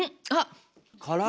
辛い。